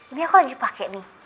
ini aku lagi pakai